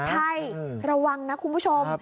ใช่ระวังนะคุณผู้ชม